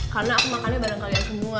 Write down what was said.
karena aku makannya bareng kalian semua